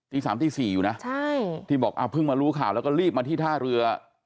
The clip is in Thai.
สามตี๔อยู่นะใช่ที่บอกเพิ่งมารู้ข่าวแล้วก็รีบมาที่ท่าเรือ